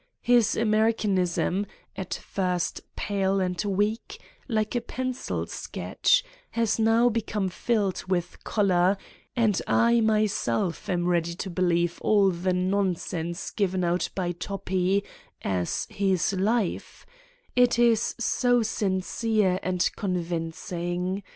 His Amer icanism, at first pale and weak, like a pencil sketch, has now become filled with color, and I, myself, am ready to believe all the nonsense given out by Toppi as his life it is so sincere and con vincing.